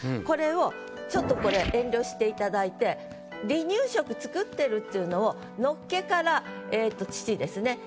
これをちょっとこれ遠慮していただいて離乳食作ってるっていうのをのっけから乳ですね。